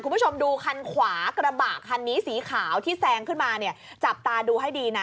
คุณผู้ชมดูคันขวากระบะคันนี้สีขาวที่แซงขึ้นมาเนี่ยจับตาดูให้ดีนะ